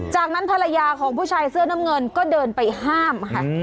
จากนั้นภรรยาของผู้ชายเสื้อน้ำเงินก็เดินไปห้ามค่ะ